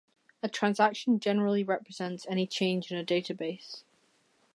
A transaction generally represents any change in a database.